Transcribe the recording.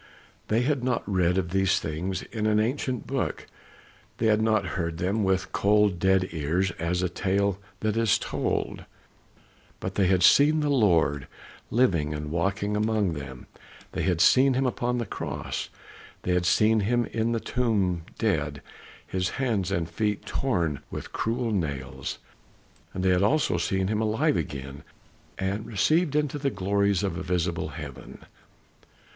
They had not read of these things in an ancient book. They had not heard them with cold dead ears 'as a tale that is told,' but they had seen the Lord living and walking among them; they had seen him upon the cross; they had seen him in the tomb dead his hands and feet torn with the cruel nails. And they had also seen him alive again and received into the glories of a visible heaven.